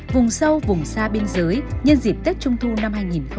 vùng sâu vùng xa biên giới nhân dịp tết trung thu năm hai nghìn hai mươi